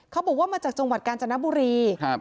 เขาบอกว่ามาจากจังหวัดกาญจนบุรีครับ